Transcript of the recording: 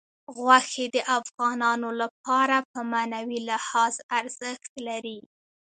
غوښې د افغانانو لپاره په معنوي لحاظ ارزښت لري.